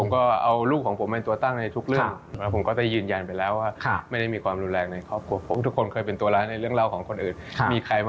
เด็กฝ่ายยากไปแล้วนะครับเมื่อกี๊